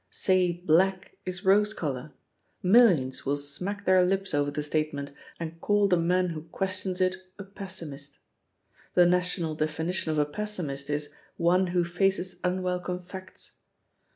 Say black is rose colour. Millions will smack their lips over the statement, and call the man who questions it a 'pessimist.' The national defi nition of a 'pessimist' is *One who faces unwel come facts.'